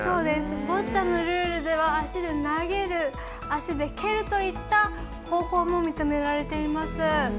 ボッチャのルールでは足で投げる、足で蹴るといった方法も認められています。